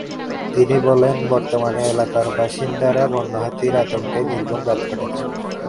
তিনি বলেন, বর্তমানে এলাকার বাসিন্দারা বন্য হাতির আতঙ্কে নির্ঘুম রাত কাটাচ্ছেন।